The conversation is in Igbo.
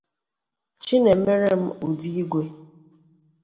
Chinemerem Udigwe